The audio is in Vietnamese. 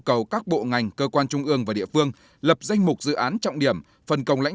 cầu các bộ ngành cơ quan trung ương và địa phương lập danh mục dự án trọng điểm phần công lãnh